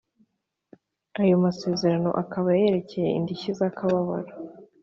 ayo masezerano akaba yerekeye indishyi za kababaro